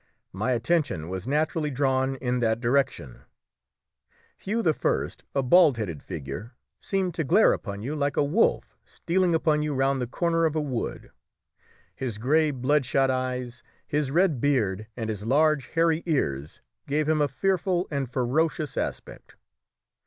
My attention was naturally drawn in that direction. Hugh I., a bald headed figure, seemed to glare upon you like a wolf stealing upon you round the corner of a wood. His grey bloodshot eyes, his red beard, and his large hairy ears gave him a fearful and ferocious aspect.